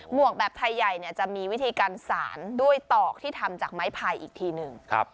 วกแบบไทยใหญ่จะมีวิธีการสารด้วยตอกที่ทำจากไม้พายอีกทีหนึ่ง